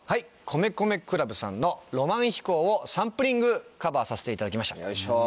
米米ＣＬＵＢさんの『浪漫飛行』をサンプリングカバーさせていただきました。